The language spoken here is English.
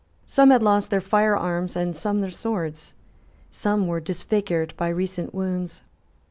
Some had lost their fire arms, and some their swords. Some were disfigured by recent wounds.